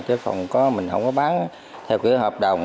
chứ không có mình không có bán theo cái hợp đồng